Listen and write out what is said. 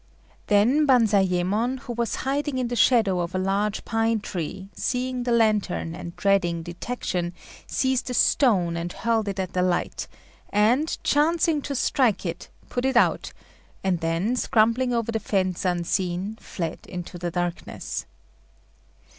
Then Banzayémon, who was hiding in the shadow of a large pine tree, seeing the lantern and dreading detection, seized a stone and hurled it at the light, and, chancing to strike it, put it out, and then scrambling over the fence unseen, fled into the darkness.